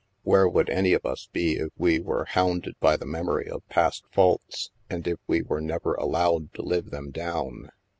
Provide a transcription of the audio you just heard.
Where would any of us be if we were hounded by the memory of past faults and if we were never allowed to live them down?